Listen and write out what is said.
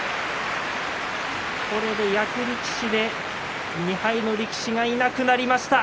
これで役力士で２敗の力士はいなくなりました。